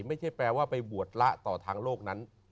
ไม่ใช่แปลว่าไปบวชละต่อทางโลกนั้น